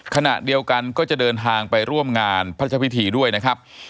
ขณะเดียวกันก็จะเดินทางไปร่วมงานพระเจ้าพิธีด้วยนะครับ